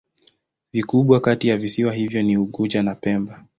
Vikubwa kati ya visiwa hivyo ni Unguja na Pemba.